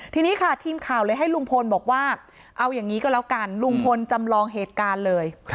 ทีนี้ค่ะทีมข่าวเลยให้ลุงพลบอกว่าเอาอย่างนี้ก็แล้วกันลุงพลจำลองเหตุการณ์เลย